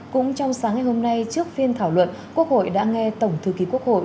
cũng trong sáng ngày hôm nay trước phiên thảo luận quốc hội đã nghe tổng thư ký quốc hội